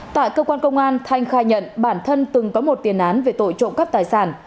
tại cơ quan công an thanh khai nhận bản thân từng có một tiền án về tội trộm cắp tài sản